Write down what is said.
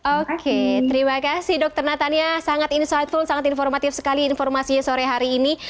oke terima kasih dokter natania sangat insightful sangat informatif sekali informasinya sore hari ini